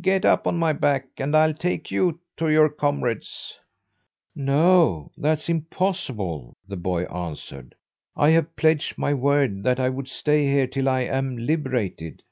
Get up on my back, and I'll take you to your comrades." "No, that's impossible!" the boy answered. "I have pledged my word that I would stay here till I am liberated."